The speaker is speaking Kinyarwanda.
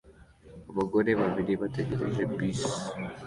Abagore babiri bategereje bisi